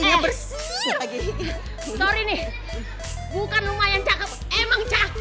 em sorry nih bukan lumayan cakep emang cakep